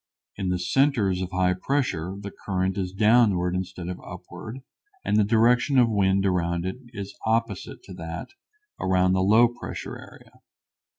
In the centers of high pressure the current is downward instead of upward and the direction of the wind around it is opposite to that around the low pressure area.